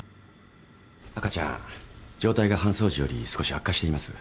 赤ちゃん状態が搬送時より少し悪化しています。